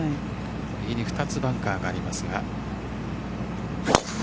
右に２つバンカーがありますが。